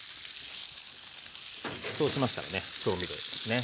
そうしましたらね調味料ですね。